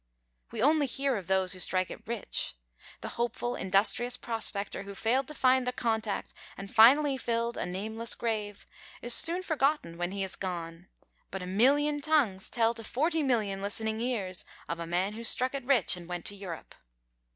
We only hear of those who strike it rich. The hopeful, industrious prospector who failed to find the contact and finally filled a nameless grave, is soon forgotten when he is gone, but a million tongues tell to forty million listening ears of the man who struck it rich and went to Europe.